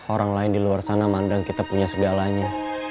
orang lain diluar sana mandang kita punya segalanya